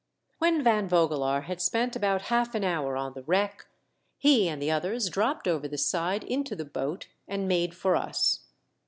When Van Vogelaar had spent about half an hour on the wreck, he and the others dropped over the side into the boat and made for us.